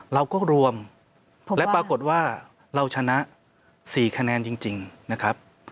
เราก็รวมและปรากฏว่าเราชนะ๔คะแนนจริงนะครับ